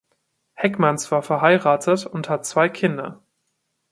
Heckmanns war verheiratet und hat zwei Kinder.